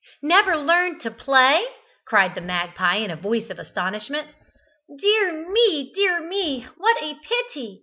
"Never learned to play?" cried the magpie in a voice of astonishment. "Dear me, dear me, what a pity!